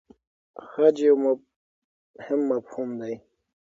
خج یو مهم مفهوم دی.